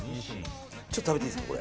ちょっと食べていいですか、これ。